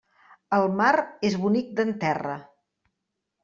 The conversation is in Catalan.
El mar és bonic d'en terra.